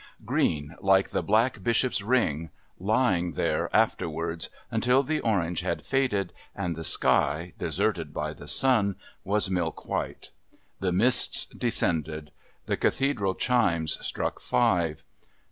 Green like the Black Bishop's ring.... Lying there, afterwards, until the orange had faded and the sky, deserted by the sun, was milk white. The mists descended. The Cathedral chimes struck five.